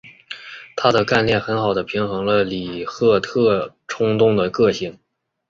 她的干练很好地平衡了里赫特冲动的个性。